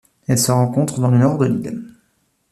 Elle se rencontre dans le Nord de l'île.